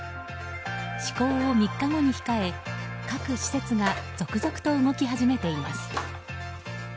施行を３日後に控え各施設が続々と動き始めています。